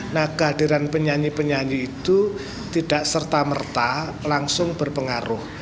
nah kehadiran penyanyi penyanyi itu tidak serta merta langsung berpengaruh